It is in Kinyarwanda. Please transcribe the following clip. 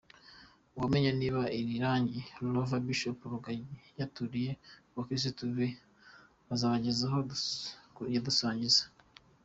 Uwamenya niba izi Range Rover Bishop Rugagi yaturiye ku bakirisitu be zarabagezeho yadusangiza.